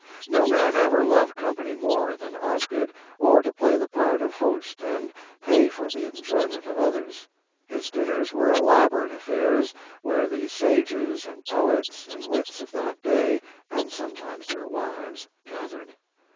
No man ever loved company more than Osgood, or to play the part of host and pay for the enjoyment of others. His dinners were elaborate affairs, where the sages and poets and wits of that day (and sometimes their wives) gathered.